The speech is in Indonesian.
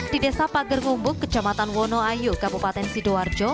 di desa pager ngumbuk kecamatan wonoayu kabupaten sidoarjo